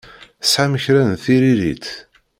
Tesɛam kra n tiririt?